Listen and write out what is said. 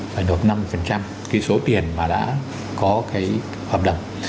phải đột năm cái số tiền mà đã có cái hợp đồng